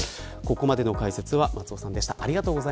ここまでの解説は松尾さんでした。